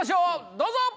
どうぞ！